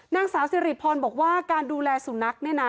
นางสาวสิริพรบอกว่าการดูแลสุนัขเนี่ยนะ